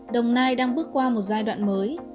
đồng nai đang bước qua một giai đoạn mới